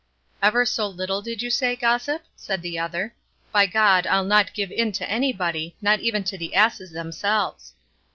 'Ever so little did you say, gossip?' said the other; 'by God, I'll not give in to anybody, not even to the asses themselves.